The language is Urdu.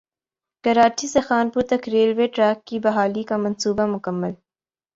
کراچی سے خانپور تک ریلوے ٹریک کی بحالی کا منصوبہ مکمل